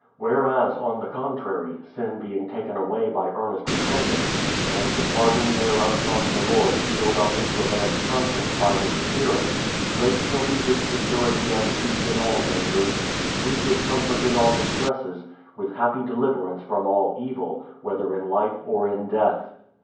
Whereas, on the contrary, sin being taken away by earnest re pentance, and the pardon thereof from the Lord sealed up into a man's conscience by His spirit, great shall be his security and peace in all dangers, sweet his comfort in all distresses, with happy deliverance from all evil, whether in life or in death.